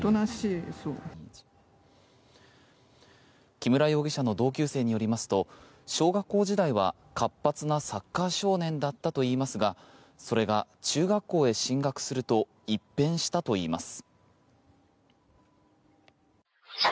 木村容疑者の同級生によりますと小学校時代は活発なサッカー少年だったといいますがそれが中学校へ進学すると一変したといいます。